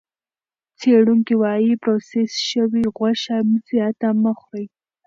څېړونکي وايي پروسس شوې غوښه زیاته مه خورئ.